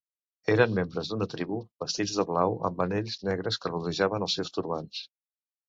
Eren membres d'una tribu vestits de blau, amb anells negres que rodejaven els seus turbants.